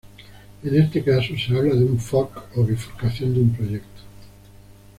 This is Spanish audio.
En este caso se habla de un "fork" o bifurcación de un proyecto.